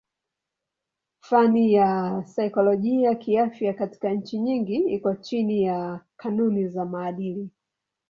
Fani ya saikolojia kiafya katika nchi nyingi iko chini ya kanuni za maadili.